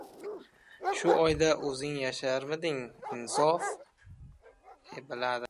Shu uyda o‘zing yasharmiding, noinsof?